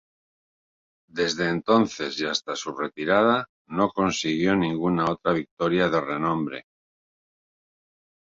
Desde entonces y hasta su retirada, no consiguió ninguna otra victoria de renombre.